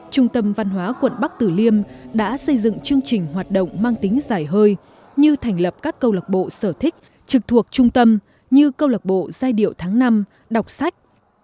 trung tâm văn hóa quận bắc tử liêm đã xây dựng chương trình hoạt động mang tính giải hơi như thành lập các câu lạc bộ sở thích trực thuộc trung tâm như câu lạc bộ giai điệu tháng năm đọc sách